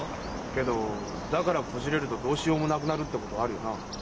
けどだからこじれるとどうしようもなくなるってことあるよな。